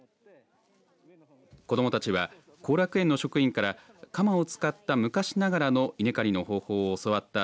子どもたちは後楽園の職員から鎌を使った昔ながらの稲刈りの方法を教わった